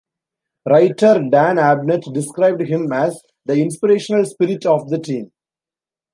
Writer Dan Abnett described him as "the inspirational spirit" of the team.